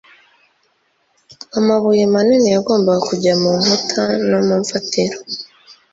amabuye manini yagombaga kujya mu nkuta no mu mfatiro,